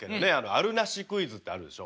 あるなしクイズってあるでしょ？